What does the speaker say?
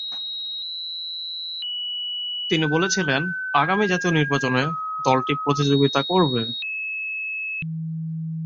তিনি বলছিলেন, আগামী জাতীয় নির্বাচনে দলটি প্রতিযোগিতা করবে।